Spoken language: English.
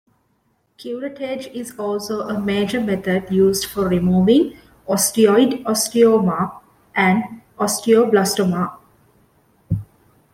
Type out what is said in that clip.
Curettage is also a major method used for removing osteoid osteoma and osteoblastoma.